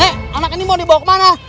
eh anak ini mau dibawa kemana